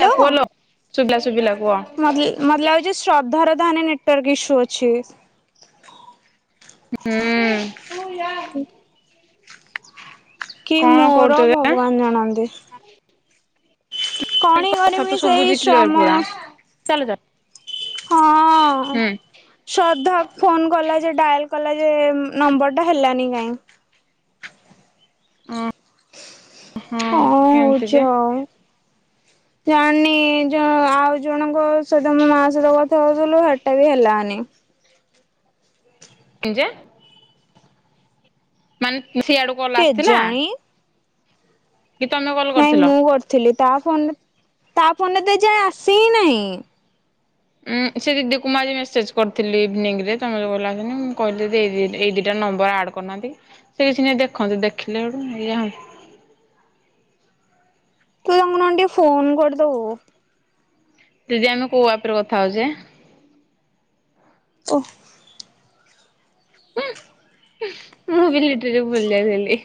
Hello [unintelligible] ଶୁବିଲା ଶୁବିଲା କୁଅ। ଯେ ଶ୍ରଦ୍ଧାର ତାହାନେ ନେଟୱାର୍କ ଇସ୍ୟୁ ଅଛି। ହୁଁ। କି କଣ ମୋର କରୁଛ ଯେ? ଭଗବାନ ଜାଣନ୍ତି? କଣ [unintelligible] କଥା କରିମି ତ ସେଇ ଶୁବୁଚି କ୍ଲିକ୍ ଶ୍ରମ ପୁରା। ଚାଲ ଯ ହଁ। ହୁଁ। ଶ୍ରଦ୍ଧା ଫୋନ୍ କଲା ଯେ ଡାଏଲ୍ କଲା ଯେ ନମ୍ବର୍ ଟା ହେଲାନି କାଇଁ? ଅଁ ହଁ କଣ କେମ୍ତି ହଉଛି ଯେ? ଆଉ। ଜାଣିନି ଯୋ ଆଉ ଜଣଙ୍କ ସଇତ ମୋ ମା ସଇତ [unintelligible] [unintelligible] ହଉଥିଲୁ ସେଟା ବି ହେଲାନି। କି ଜେ। ମାନେ [unintelligible] ସିଆଡୁ କଲ୍ ଆସିଥିଲା କେଜାଣି? କି ତମେ [unintelligible] ନାଇଁ ମୁଁ କରିଥିଲି ତା ଫୋନ୍ ତା ଫୋନ୍ ରେ ତ ଏ ଯାଏଁ ଆସି ହି ନାଇଁ। ଉଁ ସେ ଦିଦିକୁ ମୁଁ ଆଜି ମେସେଜ କରିଥିଲି ଇଭିନିଂ ରେ ତମେ ଯୋକହିଲ ଆଶିନେଇ ମୁଁ କହିଲି ଦେଇଦେ ଦିଟା ନମ୍ବର ଆଡ କରୁନାହାନ୍ତି ସେ କିଛି ନାହିଁ ଦେଖନ୍ତୁ ଦେଖିଲେ ହେଟୁ ଏଇଆ। ତୁ ତାଙ୍କୁ ଟିକେ ଫୋନ୍ କରିଦବୁ। ଦିଦି ଆମେ କୋଉ ଆପରେ କଥା ହୋଉଚେ? ଓହ। ମୁଁ ବି ଲିଟରେ ଭୁଲଥିଲି।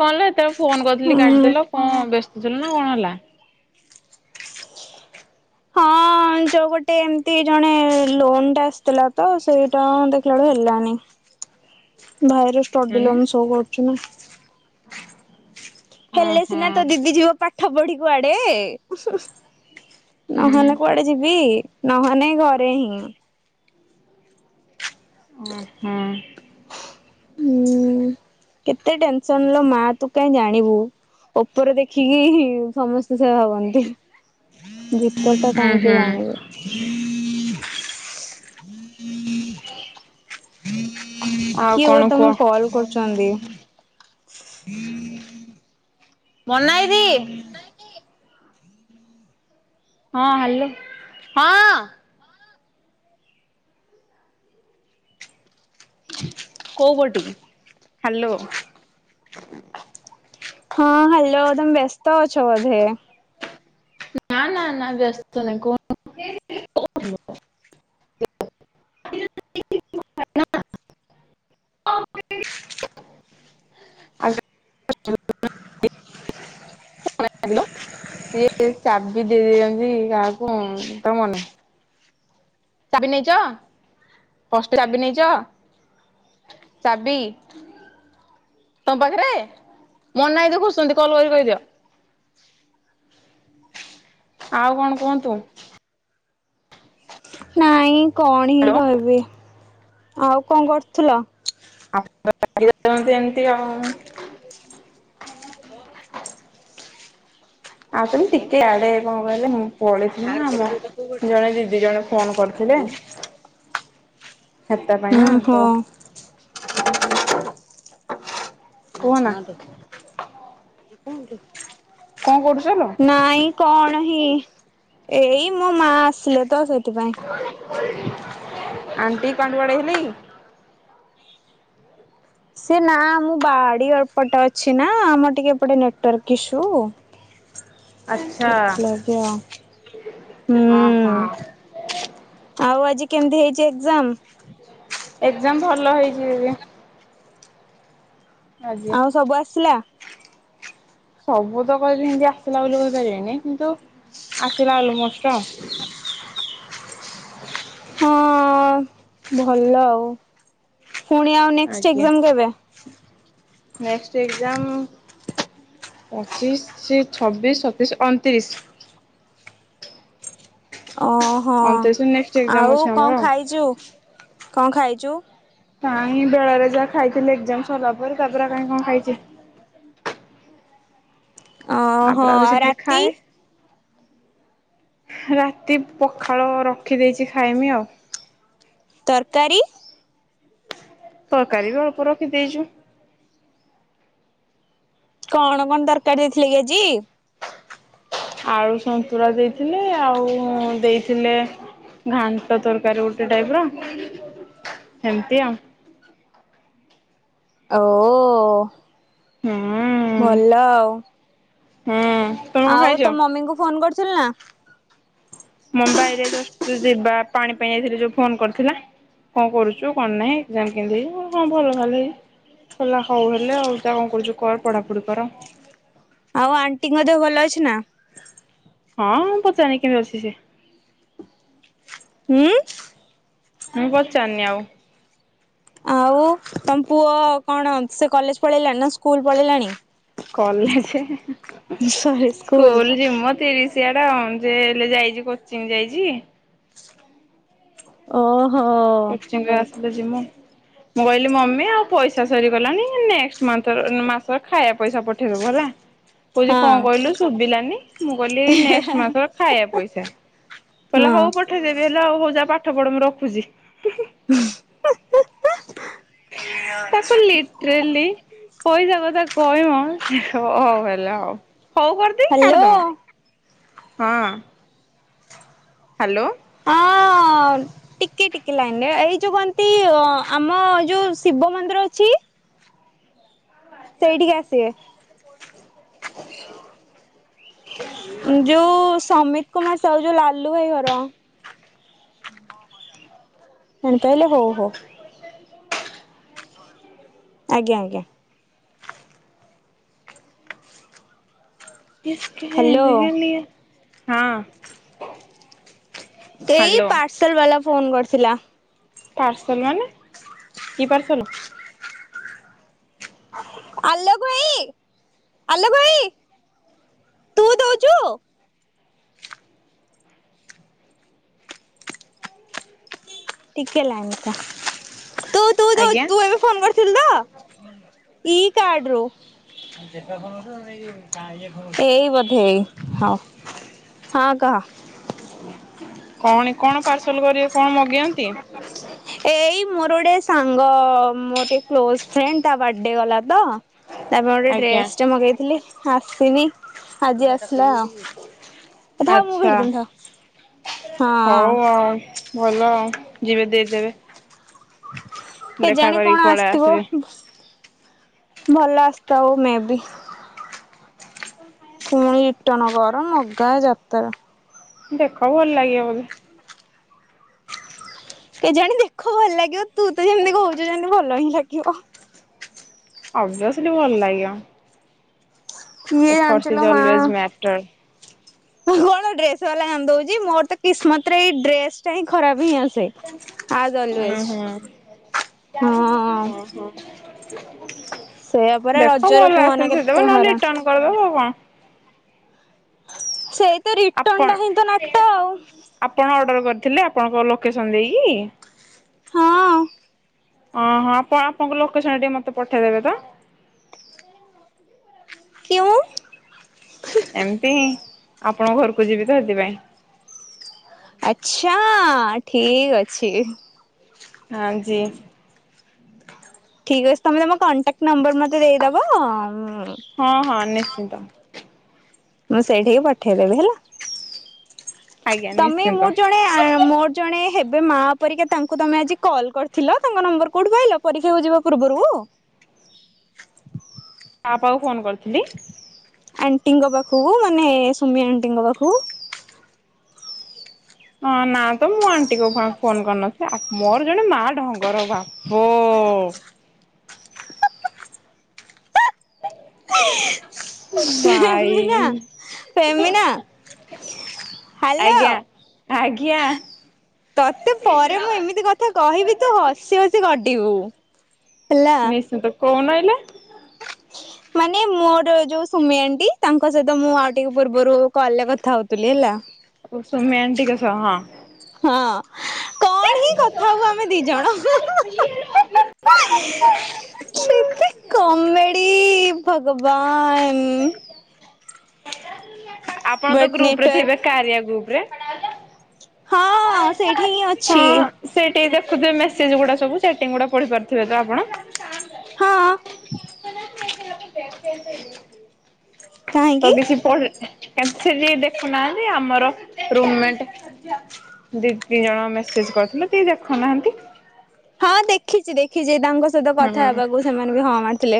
କଣ ହେଲସେତେବେଳେ ଫୋନ କରିଥିଲି ହୁଁ। କାଟିଦେଲ କଣ ବ୍ୟସ୍ତ ଥିଲ ନା କଣ ହେଲା ଯେଉ ଗୋଟେ ଏମିତି ଜଣେ ଲୋନ୍ଟା ଆସିଥିଲା ତ ସେଇଟା ଦେଖିଲା ବେଳୁ ହେଲାନି। ଭାଇର ଷ୍ଟଡି ମାନେ ଲୋ ସୋ କରୁଛୁ ନା। ହେଲେ ଓହୋ ସିନା ତୋ ଦିଦି ଯିବ ପାଠ ପଢି କୁଆଡେ। ହୁଁ ହୁଁ ନହଲେ କୁଆଡେ ଯିବି ନହଲେେ ଘରେ ହିଁ। ଓ ହୁଁ। ହୁଁ କେତେ ଟେନସନ ମା ତୁ କହିଁ ଜାଣିବୁ। ଉପରେ ଦେଖିକି ସମସ୍ତେ ସେୟା ଭାବନ୍ତି। ଭିତର ଟା ହୁଁ ହଁ। ହ କାହିଁକି ହ ଜାଣିବେ ହଁ ଆଉ କିଏ ବା କଣ ତମକୁ କୁହ? କଲ୍ କରୁଛନ୍ତି। ମନାଇ ଦିଦି। ହଁ ହାଲୋ ହଁ। କୋଉ କୋଉଟୀକି ହାଲୋ। ହଁ ହାଲୋ ତମେ ବ୍ୟସ୍ତ ଅଛ ବୋଧେ? ନା ନା ନା ବ୍ୟସ୍ତ ନାହିଁ କୋଉନାନ୍ତି। ହ୍ୟାଲୋ ସଇଏ ଚାବି ଦେଇ ଦେଇେଇଛନ୍ତି କାହାକୁ ତ ମନେ ଚାବି ନେଇଚ ପଷ୍ଟ ଚାବି ନେଇଚ? ଚାବି। ତମ ପାଖରେ ମୋନାଦି ଖୋଜୁଚନ୍ତି କଲ୍ କରି କହିଦିଅ। ଆଉ କଣ କୁହନ୍ତୁ? ନାଇଁ କଣ ହିଁ କହିବି ଆଉ କଣ କରୁଥିଲ? ଆ ଏମିତି ଆଉ। ଆଉ ତମ ଟିକେ ଆଡେ କଣ କହିଲେ ମୁଁ। ପଳେଥିଲି ନା ଆମ ଜଣେ ଦିଦି ଜଣେ ଫୋନ କରିଥିଲେ ହାତ ପାଇଁ ନା ହୁଁ ତ ହଁ। ସେ କୁହ ନା ଥାନ୍ତୁ, ଯେ କୁହନ୍ତୁ? କଣ କରୁଚଲୋ? ନାଇଁ କଣ ହିଁ ଏଇ ମୋ ମା ଆସିଲେ ତ ସେଥିପାଇଁ। ଆଣ୍ଟି କୁଆଡେ ବାଇହେଲେକି? ସେ ନା ମୁଁ ବାଡି ପଟେ ଅଛି ନା ଆମର ଟିକେ ଏପଟେ ନେଟୱାର୍କ ଇସୁ। ଆଚ୍ଛା ସେଥିଲଗି ଆଉ। ଓ ହୁଁ ହୋ। ଆଉ ଆଜି କେମିତି ହେଇଛି ଏକ୍ଜାମ? ଏକ୍ଜାମ ଭଲ ହେଇଛି ଦିଦି। ଆଜି ଆଉ ସବୁ ଆସିଲା? ସବୁ ତ କହିବି ଏମିତି ଆସିଲା ବୋଲି କହିପାରିବେନି କିନ୍ତୁ ଆସିଲା ଅଲମୋଷ୍ଟ। ହଁ ଭଲ ଆଉ ପୁଣି ଆଉ ନେକ୍ସଟ ଆଜ୍ଞା ଏକ୍ଜାମ କେବେ? ନେକ୍ଟ ଏକ୍ଜାମ ପଚିଶ ଶି ଛବିଶ ସତେଇଶ ଅଣତିରିଶ। ଓହୋ ଅଣତିରିଶ ନେକ୍ସଟ ଏକ୍ଜାମ ଆଉ ଅଛି ଆମର କଣ ଆଉ ଖାଇଚୁ କଣ ଖାଇଚୁ? କାଇହିଁ ବେଳେରେ ଯାହା ଖାଇଥିଲି ଏକ୍ଜାମ ସରିଲା ପରେ ତାପରେ କାଇଁ କଣ ଖାଇଚି। ଆ ଓହୋ ପରେ ଆଉ କିଛି ନିଏ ରାତି ଖାଏ। ରାତି ପଖାଳ ରଖିଦେଇଚି ଖାଇମି ଆଉ। ତରକାରୀ। ତରକାରୀ ବି ଅଳ୍ପ ରଖିଦେଇଚୁ। କଣ କଣ ତରକାରୀ ଦେଇଥିଲେ କି ଆଜି। ଆଳୁ ସନ୍ତୁଳା ଦେଇଥିଲେ ଆଉ ଦେଇଥିଲେ। ଘାଣ୍ଟ ତରକାରୀ ଗୋଟେ ଟାଇପର ଏମିତି ଆଉ। ଆ ଓ ହୁଁ ଭଲ ଆଉ। ହୁଁ। ତମେ କଣ ଆଉ ଖାଇଛ? ତୋ ମମିଙ୍କୁ ଫୋନ କରୁଥୁଲୁ ନା। ମୁମ୍ବାଇ ରେ ଯୋ ଯିବା ପାଣି ପାଇଁ ଯାଇଥିଲି ଯୋଉ ଫୋନ କରିଥିଲା। କଣ କରୁଛୁ କଣ ନାହିଁ ଏଜାମ କି ହଁ ଭଲ ଭାଲି। କିଲ ହଉଲେ ଆଉ ଯାହା କଣ କରୁଛୁ କର ପଢାପଢି କର। ଆଉ ଆଣ୍ଟିଙ୍କ ଦେହ ଭଲ ଅଛି ନା? ହଁ ମୁଁ ପଚାରି କେମିତି ଅଛି ସେ। ହୁଁ। ମୁଁ ପଚାନି ଆଉ। ଆଉ ତମ ପୁଅ କଣ ସେ କଲେଜ ପଳେଇଲାଣି ନା ସ୍କୁଲ ପଳେଇଲାଣି। College school ଯିମ। ତିରିଶିଆଟା ଅଣ ଯେ ହେଲେ ଯାଇଛି କୋଚିଂ ଯାଇଛି। [unintelligible] [unintelligible] ଓହୋ। କୋଚିଙ୍ଗିରେ ଆସିଲେ ଯିମୁ। ମୁଁ କହିଲି ମମି ଆଉ ପଇସା ସରିଗଲାଣି ନେଷ୍ଟ ମାସର ମାସ ଖାଇବା ପଇସା ପଠେଇଦବୁ ହେଲା। କହୁଛି ହଁ କଣ କହିଲୁ ଶୁଭିଲାନି ମୁଁ କହିଲି ନେଷ୍ଟ ମାସର ଖାଇବା ପଇସା। କହିଲା ହଁ ହଉ ପଠେଇଦେବି ହେଲା ଆଉ ହଉ ଯା ପାଠ ପଢ ମୁଁ ରଖୁଛି। [inaudible] ତାକୁ ଲିଟ୍ରେଲି। ପଇସା କଥା କହିବ ହଁ ହ ହେଲା ହଉ ହଉ କୁଆଡେ। ହାଲୋ। ହଁ। ହାଲୋ। ହଁ। ହଁ ଟିକଏ ଟିକେ ଲାଇନିରେ ଏଇ ଯେଉଁ କନ୍ତି ଆମ ଯେଉଁ ଶିବ ମନ୍ଦିର ଅଛି। ସେଇଠିକି ଆସିବେ [unintelligible] ଯୋଉ ସମିତ କୁମାର ସାହୁ ଯୋଉ ଲାଲୁ ଭାଇ ଘର। ଏନ୍ତେ ହେଲେ ହଉ ହଉ। ଆଜ୍ଞା ଆଜ୍ଞା। ଇସିକି ହେ ହ୍ୟାଲୋ ବିଗିଲିଏ ହଁ। ସେଇ ହ୍ୟାଲୋ। ପାର୍ସଲ ବାଲା ଫୋନ କରିଥିଲା। ପାର୍ସଲ ମାନେ କି ପାର୍ସଲ। ଆଲୋକ ଭାଇ, ଆଲୋକ ଭାଇ, ତୁ ଦଉଛୁ। ଟିକେ ଲାଇନ ରେ ଥା ତୁ। ଦଉ ଆଜ୍ଞା! ତୁ ଏବେ ଫୋନ କରିଥିଲୁ ତ ଇ କାର୍ଡରୁ ଏଇ ବୋଧେ ଏଇ। ହଁ ହଁ, କହ। କଣ କଣ ପାର୍ସଲ କରିବେ। କଣ ମଗେଇବା [unintelligible] ଏଇ ମୋର ଗୋଟେ ସାଙ୍ଗ, ମୋର ଗୋଟେ କ୍ଲୋଜ ଫ୍ରେଣ୍ଡ ତା ବାର୍ଥଡେ ଗଲା ତ। ତା ପାଇଁ ଗୋଟେ ଆଜ୍ଞା। ଡ୍ରେସ ଟା ମଗେଇଥିଲି ଆସନି। ଆଜି ଆସିଲା ଆଉ, ଥାଉ ମୁଁ ଆଚ୍ଛା ଭିଡ଼ି ଦେବି। ଥାଉ ହଁ ହଁ। ଭଲ ଆଉ ଯିବେ। ଦେଇଦେବେ ଦେଖା କେଜାଣି କରିକି କଣ ପଳେଇ ଆସିଥିବ? ଆସିବେ ଭଲ ଆସିଥାଉ, ମେ ବି। ପୁଣି ରିଟର୍ନ କର ମଗା ଯାତରା। ଦେଖ ଭଲ ଲାଗିବ ବୋଧେ କେଜାଣି ଦେଖ ଭଲ ଲାଗିବ। ତୁ ତ ଯେମିତି କହୁଛୁ ଯେମତି ଭଲ ହିଁ ଲାଗିବ। ଓଭଏୟୋସ୍ଲି, ଭଲ ଲାଗିବ। କିଏ ଏଫର୍ଟସ ଜାଣିଚି ଇଜ ଲୋ ମା। Always matter. କଣ ଡ୍ରେସ ବାଲା କାନ୍ଦଉଛି ମୋର ତ କିସ୍ମତ ରେ ଏଇ ଡ୍ରେସ ଟା ହିଁ ଖରାପ ହିଁ ଆସେ। ହଁ ଆଜ ଅଲୱେଜ ହ ହୋ ଦେଖ ହଁ। ଭଲ ଆସିଲି ରଖି ଦେବ। ସେଇଆ ପରା ନହେଲେ ରଜରେ ରିଟର୍ଣ କୁହନା କେତେ କରିଦବ ହରା ଆଉ କଣ। ସେଇତ ରିଟର୍ଣ ଆପଣ ଟା ହିଁ, ତ ନାଟ ଆଉ। ଆପଣ ଅର୍ଡର କରିଥିଲେ, ଆପଣଙ୍କ ଲୋକେସନ ଦେଇକି। ହଁ। ଓହୋ! ଆପଣ ଆପଣଙ୍କ ଲୋକେସନ ଟିକେ ମତେ ପଠେଇଦେବେ ତ। କ୍ୱିଁ। ସେ ହିଁ ଆପଣଙ୍କ ଘରକୁ ଯିବି ତ ସେଥିପାଇଁ। ଆଛା ଠିକ ଅଛି। ହଁ ଜି। ଠିକ୍ ଅଛି ତମେ ତମ କଣ୍ଟାକ୍ଟ ନମ୍ବର ମତେ ଦେଇଦବ। ହଁ ହଁ ନିଶ୍ଚିନ୍ତ। ମୁଁ ସେଇଠିିକି ପଠେଇଦେବି ହେଲା। ଆଜ୍ଞା ତମେ ନିଶ୍ଚିନ୍ତ ମୁଁ ଜଣେ। ମୋର ଜଣେ ହେବେ ମା ପରିକା ତାଙ୍କୁ ତମେ ଆଜି କଲ୍ କରିଥିଲ। ତାଙ୍କ ନମ୍ବର କୋଉଠୁ ପାଇଲ। ପରୀକ୍ଷାକୁ ଯିବା ପୂର୍ବରୁ। ମା ପାଖକୁଫୋନ୍ କରିଥିଲି। ଆଣ୍ଟିଙ୍କ ପାଖକୁ ମାନେ ସୁମି ଆଣ୍ଟିଙ୍କ ପାଖକୁ। ହଁ ନା ତ ମୁଁ ଆଣ୍ଟିଙ୍କ ପାଖକୁ ଫୋନ କରିନଥିଲି ମୋର ଜଣେ ମା ଢଙ୍ଗର ବା। ଫ ଫେମିନା ଭାଇ ହ୍ୟାଲୋ ଆଜ୍ଞା ଆଜ୍ଞା ତତେ ପରେ ମୁଁ ଇନଫର୍ମ କହିବି ତୁ ହସି ହସି ଗଡ଼ିବୁ। ନିଶ୍ଚିନ୍ତ। କହୁନଏଇଲେ? [inaudible] ମାନେ ମୋର ଯୋଉ ସୁମିଆଣ୍ଟି, ତାଙ୍କ ସହିତ ମୁଁ ଆଉ ଟିକେ ପୂର୍ବରୁ କଲରେ କଥା ହଉଥିଲି ହେଲା। ଓ ସୋମ୍ୟ ଆଣ୍ଟିଙ୍କ ସହ ହଁ। ହଁ କଣ ହିଁ ହ [inaudible] କଥା ହୋଉ ଆମେ ଦିଜଣ ନ [inaudible] ସେତେ କମେଡି ଭଗବାନ ଆପଣ ତ ବଟ୍ ଗ୍ରୁପ ରେ ନେଟୱାର୍କ ଥିବେ କାରିଆ ଗ୍ରୁପ ରେ? ହଁ ହଁ ସେଇଠି ହିଁ ଅଛି। ସେଇଠିକି ଦେଖୁଥିବେ ମେସେଜ ଗୁଡା ସବୁ ଚାଟିଙ୍ଗ ଗୁଡା ପଢି ପାରୁଥିବେ ତ ଆପଣ? ହଁ। ତ କାହିଁକି କିଛି ପ କେମ ଯ ଦେଖୁନାହାନ୍ତି ଆମର ରୁମମେଣ୍ଟ ଦିଦି ଜଣ ମେସେଜ କରିଥିଲେ କିଏ ଦେଖୁନାହାନ୍ତି ହଁ ଦେଖିଛି ଦେଖିଛି ତାଙ୍କ ସ କଥା ହୁଁ ହେବାକୁ ସେମାନେ ବି ହଁ ମାରିଥିଲେ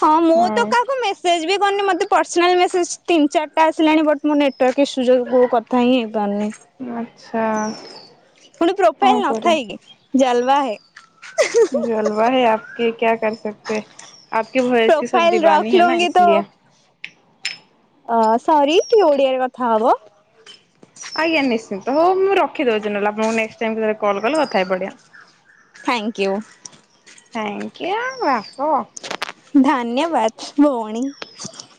ହଁ ମୁଁ ତ ହୁଁ କାହାକୁ ମେସେଜ୍ ବି କରିନି ମୋତେ ପସନାଲ୍ ମେସେଜ୍ ତିନି ଚାରିଟା ଆସିଲାଣି ବଟ୍ ମୋ ନେଟୱାର୍କ ଇସୁ ଯୋଗୁଁ କଥା ହିଁ ହେଇପାରୁନି। ଆଚ୍ଛା। ପୁଣି କଣ ପ୍ରୋଫାଇଲ କରେ ନଥାଇ କିି ଜଲବା ହେ ଜଲବା ହେ ଆପକି କ୍ୟା କର ସକତେ ଆପକି ଭଏସ କି ସବ ପ୍ରୋଫାଇଲ ରଖ ଦିବାନୀ ହେନା ଲୁଙ୍ଗି ଇସଲିଏ। ଅ ସରି ଟିକେ ଓଡିଆରେ କଥା ହବା ଆଜ୍ଞା ନିଶ୍ଚନ୍ତ ହଉ ମୁଁ ରଖିଦଉଚି ନହେଲେ ଆପଣଙ୍କୁ ନେଷ୍ଟ ଟାଇମ କଲ କଲେ କଥା ହେଇ ପଡିବି। Thank you. ଥ୍ୟାଙ୍କୟୁ ବାପ। ଧନ୍ୟବାଦ ଭଉଣୀ।